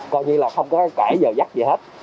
coi như là không có cái cải dầu dắt gì hết